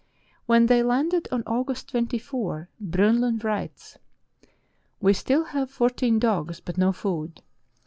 When they landed on August 24, Bronlund writes: "We still have fourteen dogs, but no food.